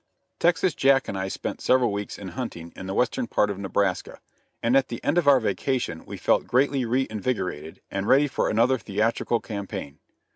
Texas Jack and I spent several weeks in hunting in the western part of Nebraska, and at the end of our vacation we felt greatly re invigorated and ready for another theatrical campaign.